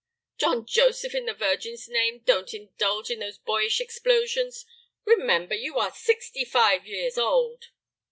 "John Joseph, in the Virgin's name, don't indulge in those boyish explosions; remember, you are sixty five years old."